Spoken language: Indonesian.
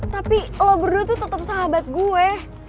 tapi lo berdua tuh tetap sahabat gue